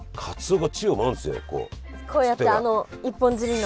こうやってあの一本釣りの。